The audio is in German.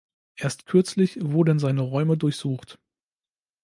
Erst kürzlich wurden seine Räume durchsucht.